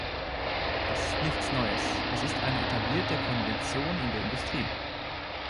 Das ist nichts Neues, es ist eine etablierte Konvention in der Industrie.